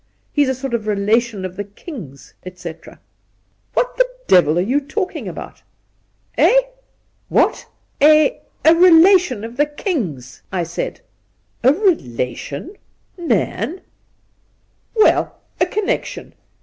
He's a sort of relation of the king's, etc' ' What the devil are you talking about ?'' Eh ? what ? A — a relation of the king's, I said.' ' A relation I Nairn ?'' Well, a connection.